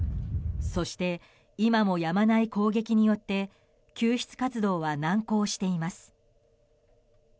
そして、今もやまない攻撃によって救出活動は難航しています。